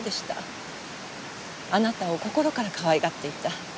あなたを心から可愛がっていた。